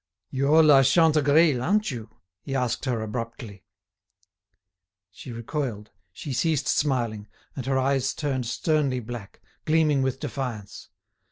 "You're La Chantegreil, aren't you?" he asked her, abruptly. She recoiled, she ceased smiling, and her eyes turned sternly black, gleaming with defiance.